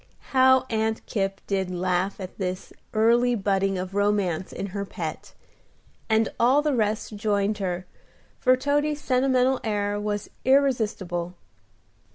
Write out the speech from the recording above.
How Aunt Kipp did laugh at this early budding of romance in her pet! And all the rest joined her, for Toady's sentimental air was irresistible.